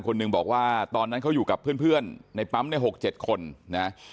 หนึ่งบอกว่าตอนนั้นเขาอยู่กับเพื่อนในปั๊มเนี่ย๖๗คนนะ